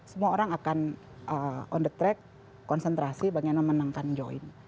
semua orang akan on the track konsentrasi bagaimana menangkan join